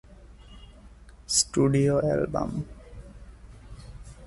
studio album